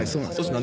何？